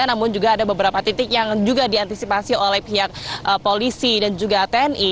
namun juga ada beberapa titik yang juga diantisipasi oleh pihak polisi dan juga tni